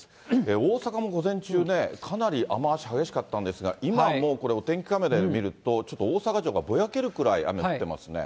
大阪も午前中、かなり雨足激しかったんですが、今はもう、これ、お天気カメラで見ると、ちょっと大阪城がぼやけるくらい雨降ってますね。